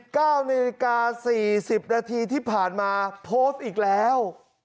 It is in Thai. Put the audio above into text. ๑๙นาฬิกา๔๐นาทีที่ผ่านมาโพสต์อีกแล้ว